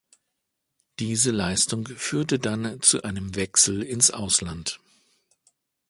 Diese Leistung führte dann zu einem Wechsel ins Ausland.